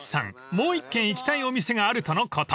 もう一軒行きたいお店があるとのこと］